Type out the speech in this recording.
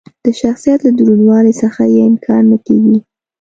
د شخصیت له دروندوالي څخه یې انکار نه کېږي.